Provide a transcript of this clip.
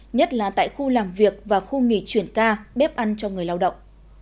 nhất là tại khu làm việc và khu nghỉ chuyển ca bếp ăn cho người lao động